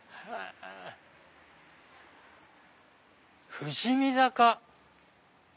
「富士見坂」。